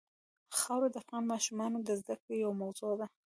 خاوره د افغان ماشومانو د زده کړې یوه موضوع ده.